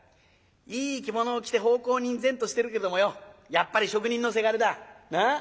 いい着物を着て奉公人然としてるけどもよやっぱり職人のせがれだ。なあ？